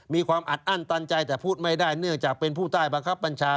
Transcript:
มีความอัดอั้นตันใจแต่พูดไม่ได้เนื่องจากเป็นผู้ใต้บังคับบัญชา